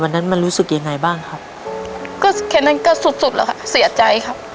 นั้นมันรู้สึกยังไงบ้างครับก็แค่นั้นก็สุดสุดแล้วค่ะเสียใจครับ